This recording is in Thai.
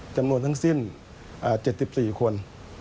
จำนวนทั้งสิ้น๗๔คน